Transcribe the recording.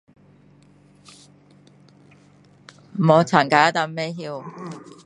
没有参加然后不知道